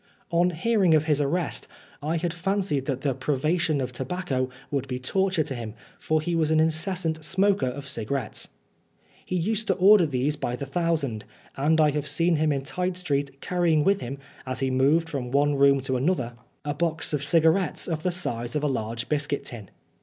On hearing of his arrest, I had fancied that the privation of tobacco would be torture to him, for he was an incessant smoker of cigarettes. He used to order these by the thousand, and I have seen him in Tite Street carrying with him, as he moved from one room to 53 Oscar Wilde another, a box of cigarettes of the size of a large biscuit tin.